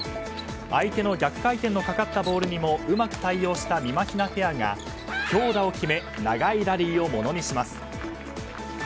相手の逆回転のかかったボールにも、うまく対応したみまひなペアが、強打を決め長いラリーをものにします。